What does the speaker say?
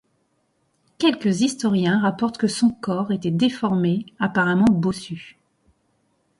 Quelques historiens rapportent que son corps était déformée, apparemment bossu.